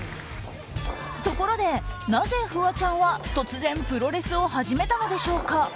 ところで、なぜフワちゃんは突然、プロレスを始めたのでしょうか。